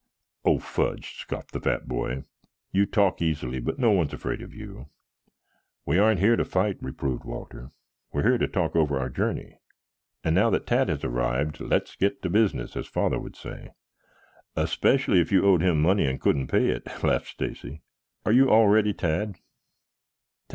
"Oh, fudge!" scoffed the fat boy. "You talk easily, but no one is afraid of you." "We aren't here to fight," reproved Walter. "We are here to talk over our journey, and now that Tad has arrived let's get to business, as father would say." "Especially if you owed him money and couldn't pay it," laughed Stacy. "Are you all ready, Tad?"